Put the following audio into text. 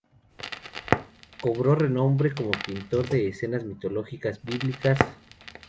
Cobró renombre como pintor de escenas mitológicas y bíblicas.